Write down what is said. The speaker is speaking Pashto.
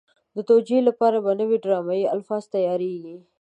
د توجیه لپاره به نوي ډرامایي الفاظ تیارېږي.